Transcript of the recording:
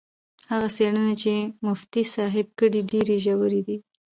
هغه څېړنې چې مفتي صاحب کړي ډېرې ژورې دي.